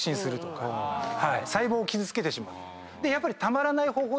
細胞を傷つけてしまう。